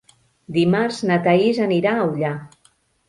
Dimarts na Thaís anirà a Ullà.